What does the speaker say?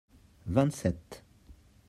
vingt sept.